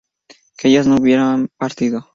que ellas no hubieran partido